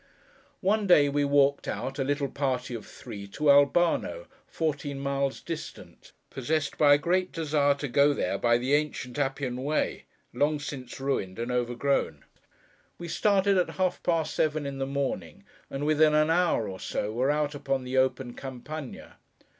One day we walked out, a little party of three, to Albano, fourteen miles distant; possessed by a great desire to go there by the ancient Appian way, long since ruined and overgrown. We started at half past seven in the morning, and within an hour or so were out upon the open Campagna.